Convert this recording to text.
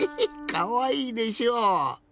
かわいいでしょ。